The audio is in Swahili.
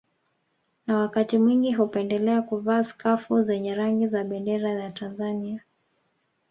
Na wakati mwingi hupendelea kuvaa skafu zenye rangi za bendera ya Tanzania